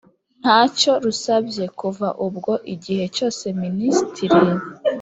ntacyo rusabye! kuva ubwo, igihe cyose minisitiri